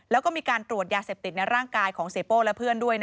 แล้วก็มีการตรวจยาเสพติดในร่างกายของเสียโป้และเพื่อนด้วย